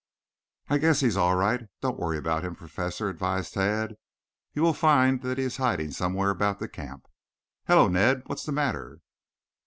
"I guess he is all right. Don't worry about him, Professor," advised Tad. "You will find that he is in hiding somewhere about the camp. Hello, Ned, what's the matter?"